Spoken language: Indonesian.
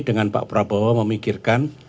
dengan pak prabo memikirkan